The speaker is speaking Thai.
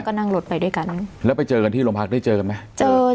ก็นั่งรถไปด้วยกันแล้วไปเจอกันที่โรงพักได้เจอกันไหมเจอ